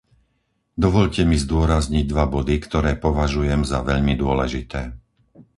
Dovoľte mi zdôrazniť dva body, ktoré považujem za veľmi dôležité.